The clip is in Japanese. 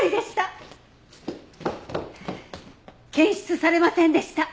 検出されませんでした。